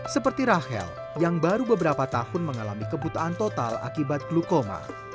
seperti rahel yang baru beberapa tahun mengalami kebutaan total akibat glukoma